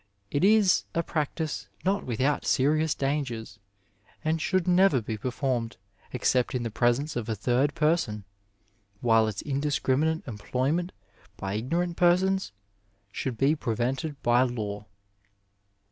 It is a practice not without serious dangers, and should never be performed except in the presence of a third person, while its indiscriminate employment by ignorant persons should be prevented by law.